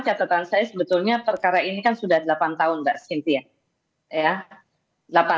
catatan saya sebetulnya perkara ini kan sudah delapan tahun mbak sintia